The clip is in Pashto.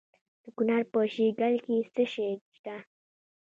د کونړ په شیګل کې څه شی شته؟